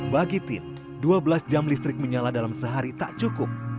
bagi tin dua belas jam listrik menyala dalam sehari tak cukup